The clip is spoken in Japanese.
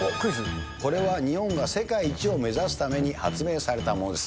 これは日本が世界一を目指すために発明されたものです。